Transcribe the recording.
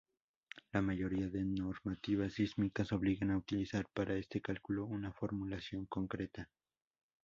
La mayoría de normativas sísmicas obligan a utilizar para este cálculo una formulación concreta.